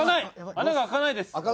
穴が開かないです！